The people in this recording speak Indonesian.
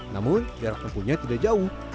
namun jarak tempuhnya tidak jauh